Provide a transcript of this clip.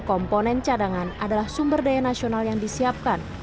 komponen cadangan adalah sumber daya nasional yang disiapkan